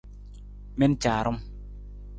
Mi na caarung!